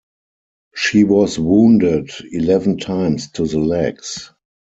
She was wounded eleven times to the legs.